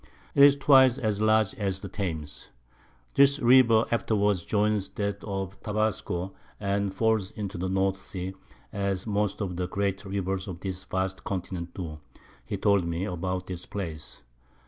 'Tis twice as large as the Thames. This River afterwards joins that of Tabasco, and falls into the North Sea, as most of the great Rivers of this vast Continent do, he told me, about this Place.